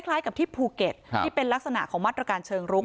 กับที่ภูเก็ตที่เป็นลักษณะของมาตรการเชิงรุก